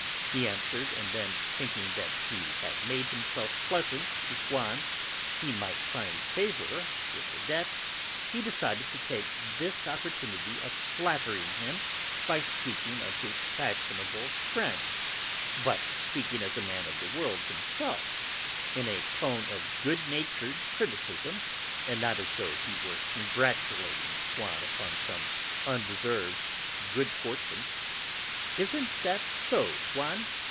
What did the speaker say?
he answered, and then, thinking that if he made himself pleasant to Swann he might find favour with Odette, he decided to take this opportunity of flattering him by speaking of his fashionable friends, but speaking as a man of the world himself, in a tone of good natured criticism, and not as though he were congratulating Swann upon some undeserved good fortune: "Isn't that so, Swann?